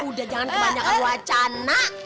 udah jangan kebanyakan wacana